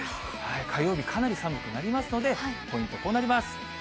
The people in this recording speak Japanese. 火曜日、かなり寒くなりますので、ポイント、こうなります。